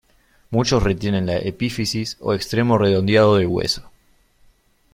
Muchos retienen la epífisis o extremo redondeado del hueso.